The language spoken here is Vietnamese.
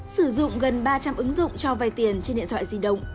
sử dụng gần ba trăm linh ứng dụng cho vay tiền trên điện thoại di động